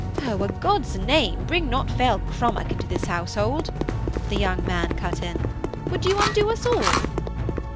'Oh, a God's name bring not Flail Crummock into this household,' the young man cut in. 'Would you undo us all?'